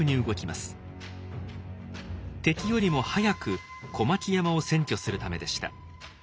敵よりも早く小牧山を占拠するためでした。